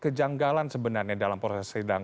kejanggalan sebenarnya dalam proses sidang